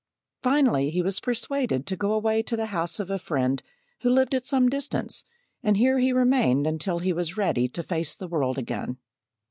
Finally, he was persuaded to go away to the house of a friend who lived at some distance, and here he remained until he was ready to face the world again.